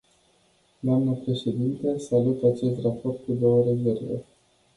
Doamnă președintă, salut acest raport cu două rezerve.